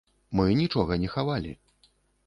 Мы нічога не хавалі.